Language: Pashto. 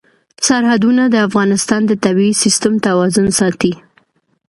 سرحدونه د افغانستان د طبعي سیسټم توازن ساتي.